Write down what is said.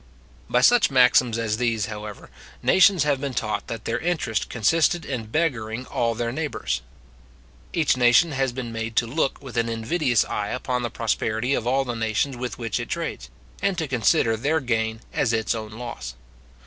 By such maxims as these, however, nations have been taught that their interest consisted in beggaring all their neighbours. Each nation has been made to look with an invidious eye upon the prosperity of all the nations with which it trades, and to consider their gain as its own loss.